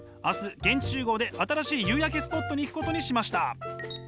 明日現地集合で新しい夕焼けスポットに行くことにしました。